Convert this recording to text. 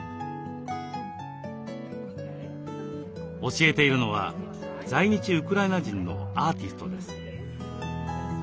教えているのは在日ウクライナ人のアーティストです。